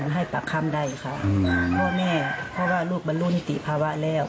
หรือให้ปากคำได้ค่ะเพราะว่าลูกมันรุ้นติภาวะแล้ว